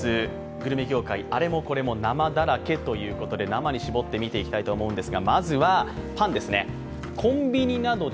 グルメ業界あれもこれも生だらけということで生に絞って見ていきたいと思います。